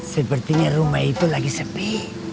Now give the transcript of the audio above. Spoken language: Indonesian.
sepertinya rumah itu lagi sepi